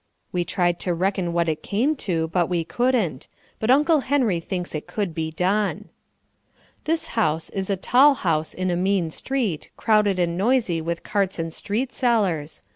We tried to reckon what it came to, but we couldn't; but Uncle Henry thinks it could be done. This house is a tall house in a mean street, crowded and noisy with carts and street sellers.